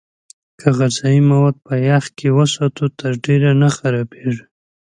که غذايي مواد په يخ کې وساتو، تر ډېره نه خرابېږي.